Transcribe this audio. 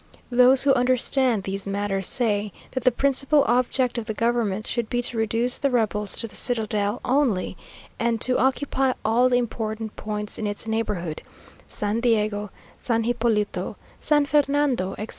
Those who understand these matters say that the principal object of the government should be to reduce the rebels to the citadel only, and to occupy all the important points in its neighbourhood, San Diego, San Hipólito, San Fernando, etc.